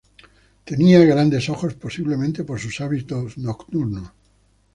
Tenía grandes ojos posiblemente por sus hábitos nocturnos.